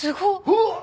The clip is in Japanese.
うわっ！